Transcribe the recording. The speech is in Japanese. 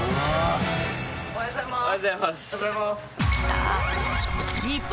おはようございます。